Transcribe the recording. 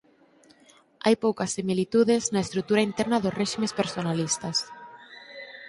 Hai poucas similitudes na estrutura interna dos réximes personalistas.